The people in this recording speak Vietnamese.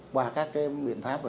qua các cái biện pháp